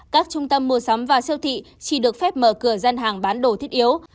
các trung tâm mua sắm và siêu thị chỉ được phép mở cửa gian hàng bán đồ thiết yếu